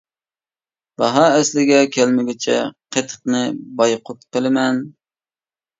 باھا ئەسلىگە كەلمىگۈچە قېتىقنى بايقۇت قىلىمەن.